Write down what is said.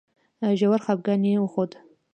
ژور خپګان یې وښود.